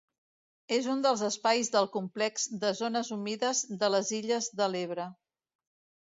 És un dels espais del complex de zones humides de les Illes de l’Ebre.